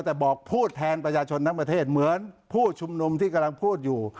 แต่บอกพูดแทนประชาชนทั้งประเทศเหมือนผู้ชุมนุมที่กำลังพูดอยู่